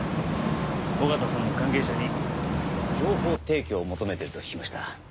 緒方さんの関係者に情報提供を求めていると聞きました。